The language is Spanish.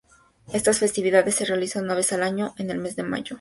Estas festividades se realizan una vez al año en el mes de mayo.